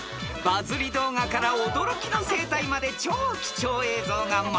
バズり動画から驚きの生態まで超貴重映像が満載］